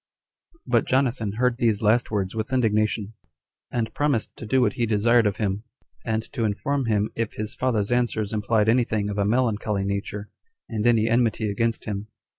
8. But Jonathan heard these last words with indignation, and promised to do what he desired of him, and to inform him if his father's answers implied any thing of a melancholy nature, and any enmity against him.